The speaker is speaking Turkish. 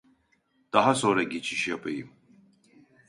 Daha sonra geçiş yapayım